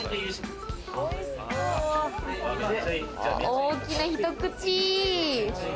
大きな一口！